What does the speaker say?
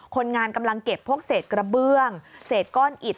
คนงานกำลังเก็บพวกเศษกระเบื้องเศษก้อนอิด